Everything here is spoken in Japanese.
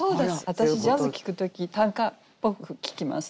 私ジャズ聴く時短歌っぽく聴きますね。